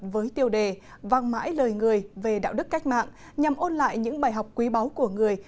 với tiêu đề vang mãi lời người về đạo đức cách mạng nhằm ôn lại những bài học quý báu của người